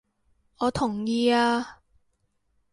我同意啊！